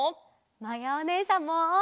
まやおねえさんも！